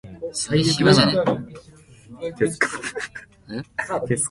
それに着替えを持たされ、調査隊として暗闇の中に送り込まれていった